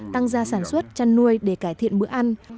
tăng gia sản xuất chăn nuôi để cải thiện bữa ăn